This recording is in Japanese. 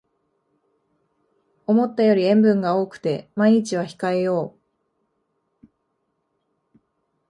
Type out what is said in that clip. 思ったより塩分が多くて毎日は控えよう